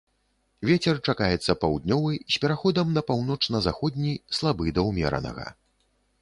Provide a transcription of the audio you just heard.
Вецер чакаецца паўднёвы з пераходам на паўночна-заходні слабы да ўмеранага.